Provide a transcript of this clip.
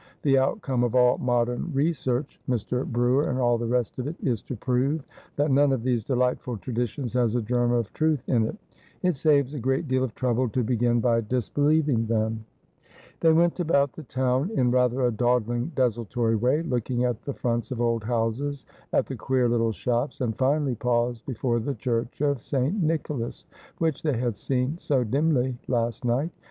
' The outcome of all modern research — Mr. Brewer, and all the rest of it — is to prove that none of these delightful traditions has a germ of truth in it. It saves a great deal of trouble to begin by disbelieving them.' They went about the town in rather a dawdling desultory way, looking at the fronts of old houses, at the queer little shops, and finally paused before the church of St. Nicholas, which they had seen so dimly last night.